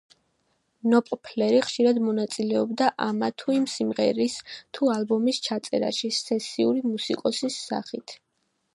ნოპფლერი ხშირად მონაწილეობდა ამა თუ იმ სიმღერის თუ ალბომის ჩაწერაში სესიური მუსიკოსის სახით.